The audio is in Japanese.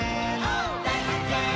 「だいはっけん！」